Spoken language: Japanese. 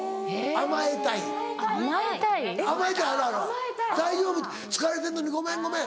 甘えたいあるある「大丈夫？疲れてるのにごめんごめん。